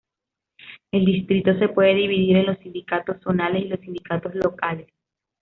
El distrito se puede dividir en los sindicatos zonales y los sindicatos locales.